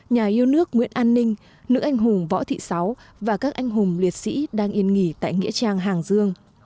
nhà yêu nước nguyễn an ninh nữ anh hùng võ thị sáu và các anh hùng liệt sĩ đang yên nghỉ tại nghĩa trang hàng dương